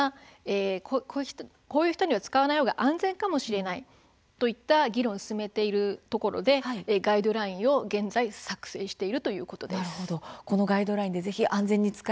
こういう人には使わない方が安全かもしれないといった議論を進めているところでガイドラインを現在作成しているということです。